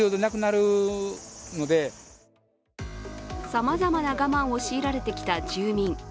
さまざまな我慢を強いられてきた住民。